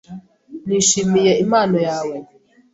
Nishimiye impano yawe.